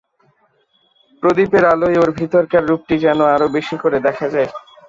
প্রদীপের আলোয় ওর ভিতরকার রূপটি যেন আরো বেশি করে দেখা যায়।